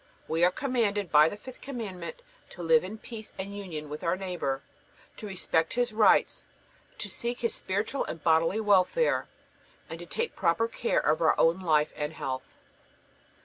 We are commanded by the fifth Commandment to live in peace and union with our neighbor, to respect his rights, to seek his spiritual and bodily welfare, and to take proper care of our own life and health.